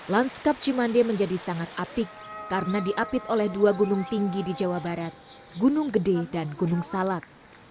lanskap cimande menjadi sangat apik karena diapit oleh dua gunung tinggi di jawa barat gunung gede dan gunung salak